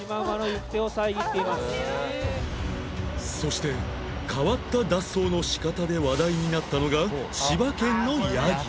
そして変わった脱走の仕方で話題になったのが千葉県のヤギ